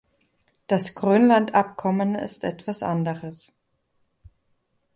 Das Grönland-Abkommen ist etwas anderes.